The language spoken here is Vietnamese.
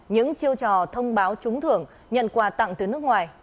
những chiêu trò thông báo trúng thưởng nhận quà tặng từ nước ngoài